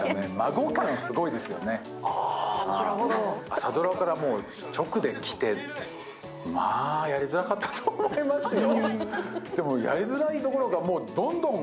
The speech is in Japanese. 朝ドラから直で来て、まぁ、やりづらかったと思いますよ。